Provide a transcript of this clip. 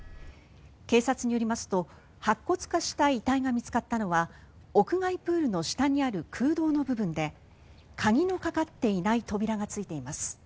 警察によりますと白骨化した遺体が見つかったのは屋外プールの下にある空洞の部分で鍵のかかっていない扉がついています。